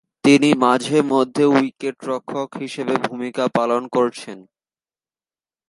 তিনি মাঝে মধ্যে উইকেটরক্ষক হিসেবে ভূমিকা পালন করেছেন।